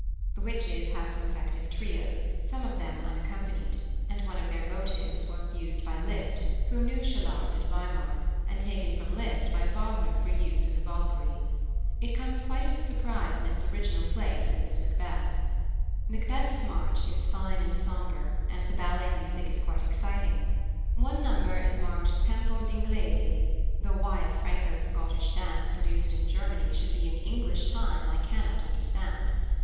The Witches have some effective trios, some of them unaccompanied; and one of their motives was used by Liszt, who knew Chelard at Weimar, and taken from Liszt by Wagner for use in the Walküre. It comes quite as a surprise in its original place in this Macbeth. Macbeth's march is fine and sombre, and the ballet music is quite exciting. One number is marked tempo d' inglese, though why a Franco Scottish dance, produced in Germany, should be in English time I cannot understand.